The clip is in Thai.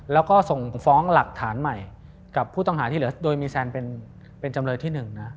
แล้วก็ส่งฟ้องหลักฐานใหม่กับผู้ต้องหาที่เหลือโดยมีแซนเป็นจำเลยที่๑นะ